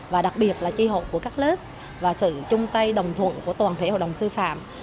hoặc là tri hội của các lớp và sự chung tay đồng thuận của toàn thể hội đồng sư phạm